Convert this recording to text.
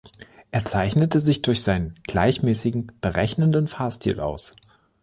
Er zeichnete sich durch seinen gleichmäßigen, berechnenden Fahrstil aus.